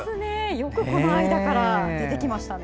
よくこの間から出てきましたね。